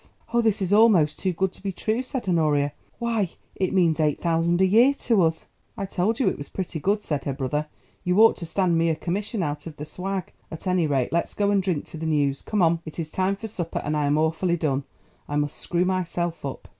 '" "Oh, this is almost too good to be true," said Honoria. "Why, it means eight thousand a year to us." "I told you it was pretty good," said her brother. "You ought to stand me a commission out of the swag. At any rate, let's go and drink to the news. Come on, it is time for supper and I am awfully done. I must screw myself up."